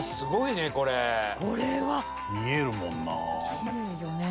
きれいよね。